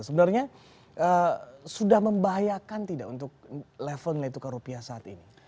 sebenarnya sudah membahayakan tidak untuk level nilai tukar rupiah saat ini